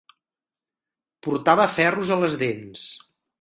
Portava ferros a les dents.